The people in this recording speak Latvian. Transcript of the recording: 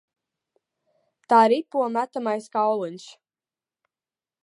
Tā ripo metamais kauliņš.